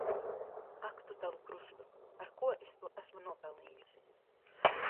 Ak tu tavu krustu! Ar ko es to esmu nopelnījusi.